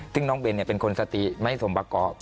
ซึ่งน้องเบนเป็นคนสติไม่สมประกอบ